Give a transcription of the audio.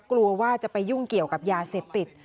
กลัวว่าจะไปยุ่งเกี่ยวกับยาเสพติด